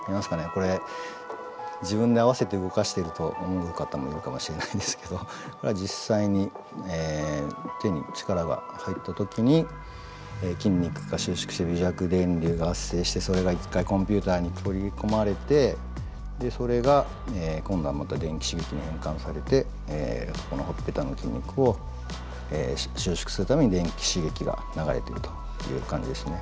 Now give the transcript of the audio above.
これ自分で合わせて動かしていると思う方もいるかもしれないんですけどこれは実際に手に力が入った時に筋肉が収縮して微弱電流が発生してそれが一回コンピューターに取り込まれてそれが今度はまた電気刺激に変換されてこのほっぺたの筋肉を収縮するために電気刺激が流れているという感じですね。